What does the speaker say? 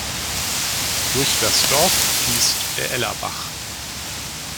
Durch das Dorf fließt der Ellerbach.